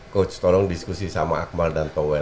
coach tolong diskusi sama akmal dan tower